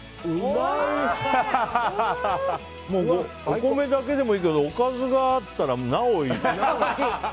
お米だけでもいいけどおかずがあったら、なおいい！